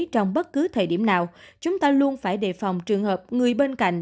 trong bất cứ thời điểm nào chúng ta luôn phải đề phòng trường hợp người bên cạnh